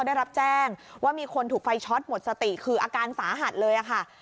ได้รับแจ้งว่ามีคนถูกไฟช็อตหมดสติคืออาการสาหัสเลยค่ะ